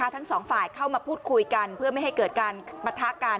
ทั้งสองฝ่ายเข้ามาพูดคุยกันเพื่อไม่ให้เกิดการปะทะกัน